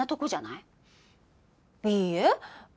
いいえ。